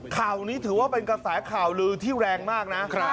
ข่าวนี้ถือว่าเป็นกระแสข่าวลือที่แรงมากนะ